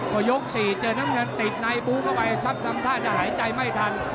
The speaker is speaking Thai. พอยก๔เจอน้ำเงินติดในบู๊เข้าไปชักทำท่าจะหายใจไม่ทัน